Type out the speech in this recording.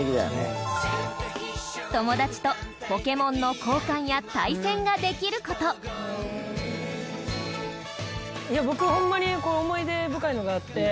友達とポケモンの交換や対戦ができる事僕、ホンマに思い出深いのがあって。